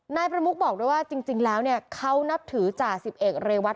นายพระมุกบอกว่าจริงเขานับถือจ่าสิบเอกเรวัต